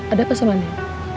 ada apa soal anin